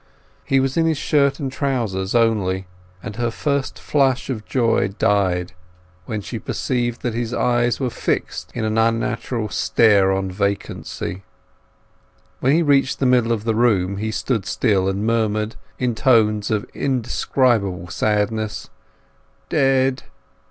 He was in his shirt and trousers only, and her first flush of joy died when she perceived that his eyes were fixed in an unnatural stare on vacancy. When he reached the middle of the room he stood still and murmured in tones of indescribable sadness— "Dead!